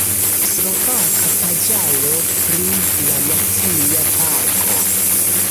Slovaka paĝaro pri la nacia parko.